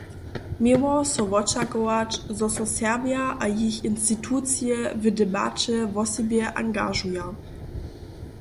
Měło so wočakować, zo so Serbja a jich institucije w debaće wosebje angažuja.